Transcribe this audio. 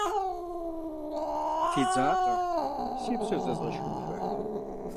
Федзакъэ, си псэр зэзгъэшхынхэ.